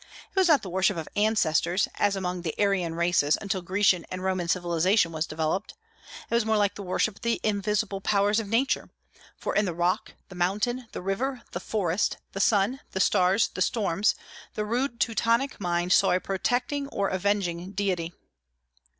It was not the worship of ancestors, as among the Aryan races until Grecian and Roman civilization was developed. It was more like the worship of the invisible powers of Nature; for in the rock, the mountain, the river, the forest, the sun, the stars, the storms, the rude Teutonic mind saw a protecting or avenging deity.